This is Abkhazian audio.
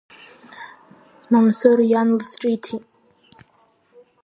Мамсыр иан лызҿиҭит.